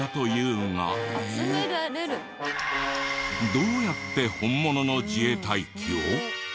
どうやって本物の自衛隊機を？